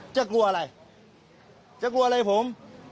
กลัวอะไรจะกลัวอะไรผม